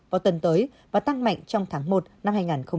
vào tuần tới và tăng mạnh trong tháng một năm hai nghìn hai mươi